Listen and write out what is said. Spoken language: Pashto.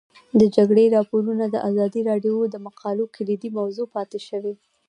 د جګړې راپورونه د ازادي راډیو د مقالو کلیدي موضوع پاتې شوی.